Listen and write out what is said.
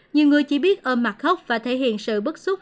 nhiều người chỉ biết âm mặt khóc và thể hiện sự bức xúc